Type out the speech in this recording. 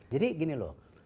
jadi gini loh